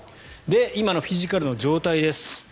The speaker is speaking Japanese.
今のフィジカルの状態です。